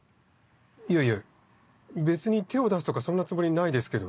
いやいや別に手を出すとかそんなつもりないですけど。